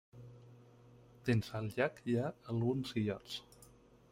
Dins el llac hi ha alguns illots.